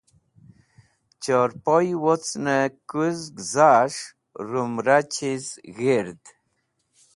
Chorpoy wocnẽkuzg zas̃h rumra chiz ghird.